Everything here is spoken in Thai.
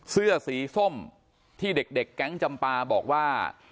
เสื้อสีส้มที่เด็กแก๊งจำปาบอกว่า